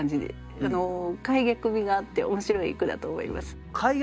諧謔みがあって面白い句だと思います。